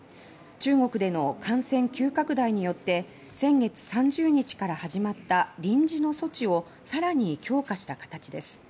中国での感染急拡大によって先月３０日から始まった臨時の措置をさらに強化した形です。